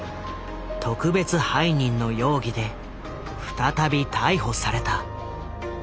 特別背任の容疑で再び逮捕された。